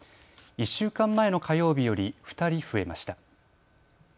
１週間前の火曜日より２人増えました。